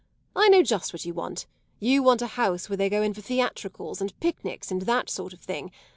I know just what you want you want a house where they go in for theatricals and picnics and that sort of thing.